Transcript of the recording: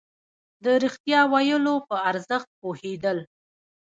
د رښتيا ويلو په ارزښت پوهېدل.